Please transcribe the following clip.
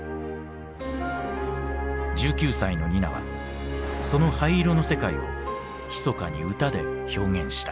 １９歳のニナはその灰色の世界をひそかに歌で表現した。